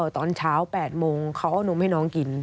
ตอนเช้า๘โมงเขาเอานมให้น้องกิน